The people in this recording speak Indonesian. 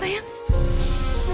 mama aku pasti ke sini